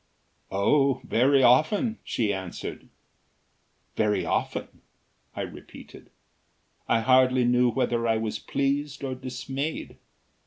"Oh, very often," she answered. "Very often?" I repeated. I hardly knew whether I was pleased or dismayed.